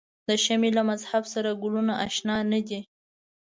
د شمعې له مذهب سره ګلونه آشنا نه دي.